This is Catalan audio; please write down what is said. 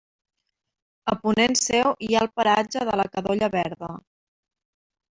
A ponent seu hi ha el paratge de la Cadolla Verda.